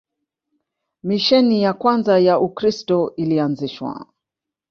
Misheni ya kwanza ya Ukristo ilianzishwa